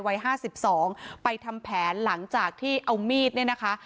วัยห้าสิบสองไปทำแผนหลังจากที่เอามีดเนี้ยนะคะ